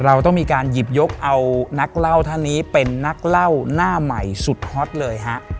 เราต้องมีการหยิบยกเอานักเล่าท่านนี้เป็นนักเล่าหน้าใหม่สุดฮอตเลยฮะ